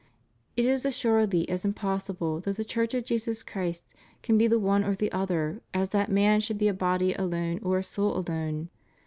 It is assuredly as impossible that the Church of Jesus Christ can be the one or the other as that man should be a body alone or a soul alone.